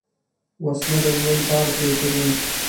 وسله د ژوند تار پرې کوي